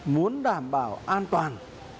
muốn đảm bảo an toàn